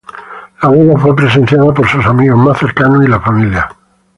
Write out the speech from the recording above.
La boda fue presenciada por sus amigos más cercanos y la familia.